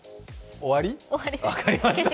終わり？